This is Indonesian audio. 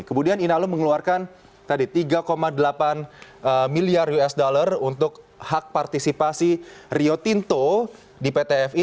kemudian inalum mengeluarkan tadi tiga delapan miliar usd untuk hak partisipasi rio tinto di pt fi